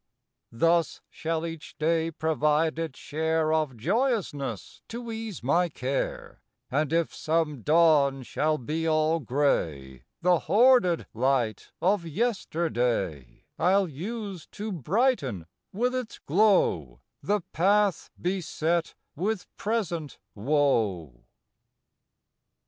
Thus shall each day provide its share Of joyousness to ease my care, And if some dawn shall be all gray The hoarded light of Yesterday I ll use to brighten with its glow The path beset with present woe.